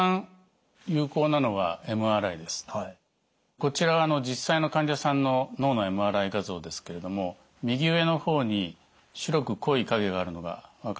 こちらの実際の患者さんの脳内ＭＲＩ画像ですけれども右上の方に白く濃い影があるのが分かるでしょうか？